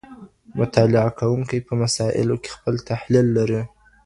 مطالعه کونکی په مسایلو کي خپل تحلیل لري.